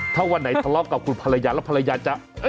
ถ้าวันไหนทะเลาะกับคุณภรรยาแล้วภรรยาจะ